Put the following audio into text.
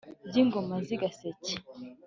by'ingoma z'i gas eke